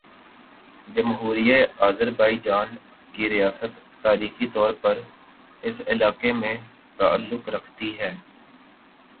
جمہوریہ آذربائیجان کی ریاست تاریخی طور پر اس علاقے سے تعلق رکھتی ہے